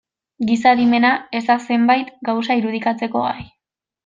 Giza adimena ez da zenbait gauza irudikatzeko gai.